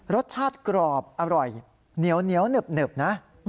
รสชาติกรอบอร่อยเหนียวหนึบนะ